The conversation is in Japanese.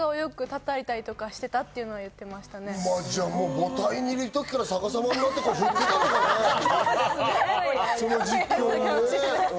母体にいる時から、逆さまになって振ってたのかね。